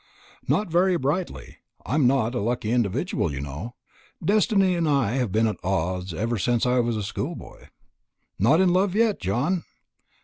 "Not very brightly. I am not a lucky individual, you know. Destiny and I have been at odds ever since I was a schoolboy." "Not in love yet, John?"